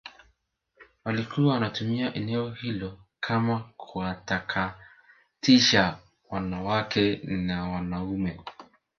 walikuwa wanatumia eneo hilo kama kuwatakatisha wanawake na wanaume